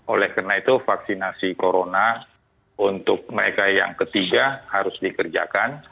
oleh karena itu vaksinasi corona untuk mereka yang ketiga harus dikerjakan